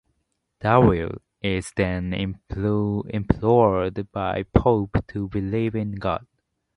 Daryl is then implored by Pope to believe in God.